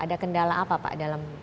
ada kendala apa pak dalam